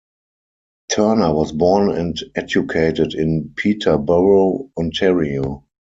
Turner was born and educated in Peterborough, Ontario.